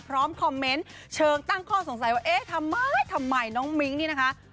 พร้อมคอมเมนต์เชิงตั้งข้อสงสัยว่าเอ๊ะทำไมทำไมน้องมิ้งนี่นะคะ